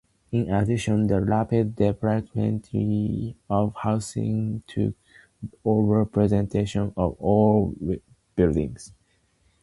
In addition, the rapid development of housing took priority over preservation of old buildings.